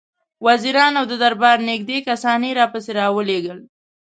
وزیران او د دربار نېږدې کسان یې راپسې را ولېږل.